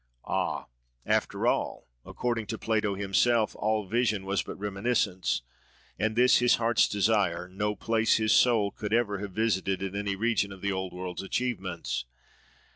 Ah! after all, according to Plato himself, all vision was but reminiscence, and this, his heart's desire, no place his soul could ever have visited in any region of the old world's achievements.